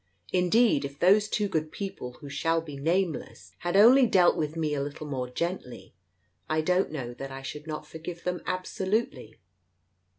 Indeed if those two good people, who shall be nameless, had only dealt with me a little more gently, I don't know that I should not forgive them absolutely.